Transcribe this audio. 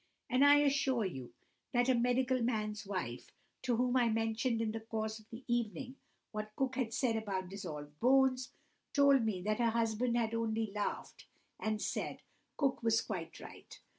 And I assure you that a medical man's wife, to whom I mentioned in the course of the evening what Cook had said about dissolved bones, told me that her husband had only laughed, and said Cook was quite right.